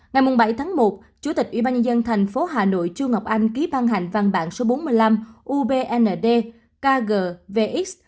ngày bảy tháng một chủ tịch ủy ban nhân dân tp hà nội trung ngọc anh ký ban hành văn bản số bốn mươi năm ubnd kgvx